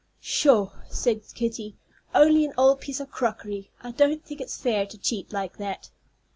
"Pshaw!" said Kitty. "Only an old piece of crockery. I don't think it's fair to cheat like that."